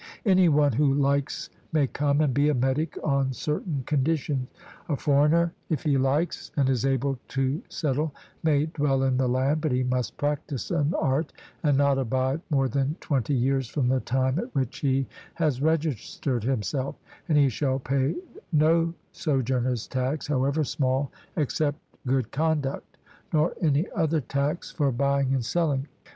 Any one who likes may come and be a metic on certain conditions; a foreigner, if he likes, and is able to settle, may dwell in the land, but he must practise an art, and not abide more than twenty years from the time at which he has registered himself; and he shall pay no sojourner's tax, however small, except good conduct, nor any other tax for buying and selling.